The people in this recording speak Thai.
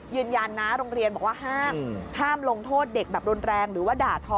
ยืนยันนะโรงเรียนบอกว่าห้ามลงโทษเด็กแบบรุนแรงหรือว่าด่าทอ